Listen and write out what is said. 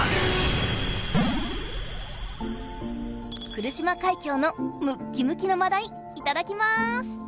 来島海峡のムッキムキのマダイいただきます！